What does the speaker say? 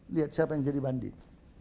lihat siapa yang jadi banding